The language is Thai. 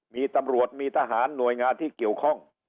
มีตำรวจมีทหารหน่วยงานที่เกี่ยวข้อง